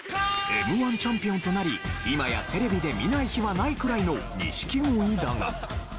Ｍ−１チャンピオンとなり今やテレビで見ない日はないくらいの錦鯉だが。